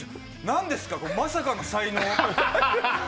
なんですか、まさかの才能。